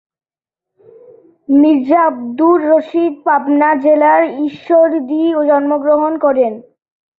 মীর্জা আব্দুর রশিদ পাবনা জেলার ঈশ্বরদী জন্মগ্রহণ করেন।